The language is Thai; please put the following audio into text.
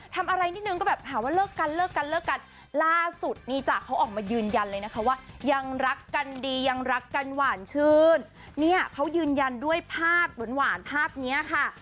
ทำอะไรนิดนึงก็แบบหาว่าเลิกกันเลิกกันเลิกกันล่าสุดนี่จ้ะเขาออกมายืนยันเลยนะคะว่ายังรักกันดียังรักกันหวานชื่นเนี่ยเขายืนยันด้วยภาพหวานหวานภาพเนี้ยค่ะ